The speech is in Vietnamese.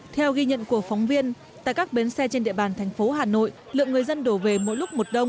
theo ghi nhận của phóng viên tại các bến xe trên địa bàn thành phố hà nội lượng người dân đổ về mỗi lúc một đông